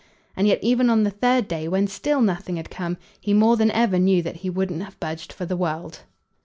And yet even on the third day, when still nothing had come, he more than ever knew that he wouldn't have budged for the world.